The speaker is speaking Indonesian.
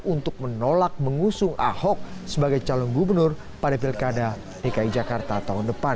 untuk menolak mengusung ahok sebagai calon gubernur pada pilkada dki jakarta tahun depan